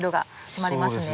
締まりますね。